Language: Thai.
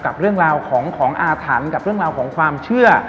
กับเรื่องราวของอาถรรพ์กับเรื่องราวของความเชื่อ